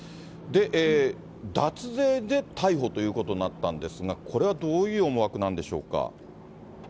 脱税で逮捕ということになったんですが、これはどういう思惑なんでしょうか。